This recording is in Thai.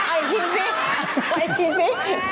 ไอ้ทีซิไอ้ทีซิ